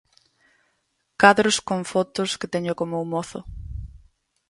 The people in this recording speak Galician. Cadros con fotos que teño co meu mozo.